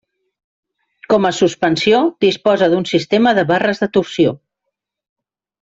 Com a suspensió disposa d'un sistema de barres de torsió.